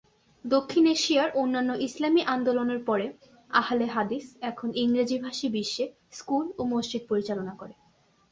দক্ষিণ এশিয়ার অন্যান্য ইসলামী আন্দোলনের পরে, আহলে হাদীস এখন ইংরেজি-ভাষী বিশ্বে স্কুল ও মসজিদ পরিচালনা করে।